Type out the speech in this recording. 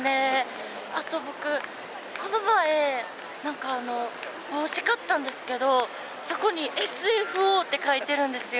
あと僕この前帽子買ったんですけどそこに「ＳＦＯ」って書いてるんですよ。